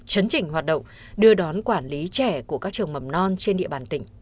chấn chỉnh hoạt động đưa đón quản lý trẻ của các trường mầm non trên địa bàn tỉnh